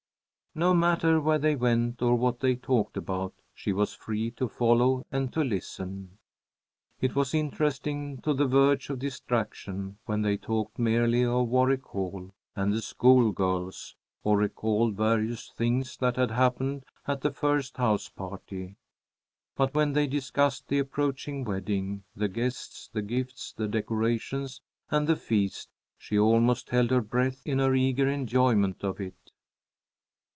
No matter where they went or what they talked about, she was free to follow and to listen. It was interesting to the verge of distraction when they talked merely of Warwick Hall and the schoolgirls, or recalled various things that had happened at the first house party. But when they discussed the approaching wedding, the guests, the gifts, the decorations, and the feast, she almost held her breath in her eager enjoyment of it.